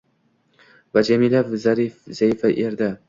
Va jamila zaifa erdi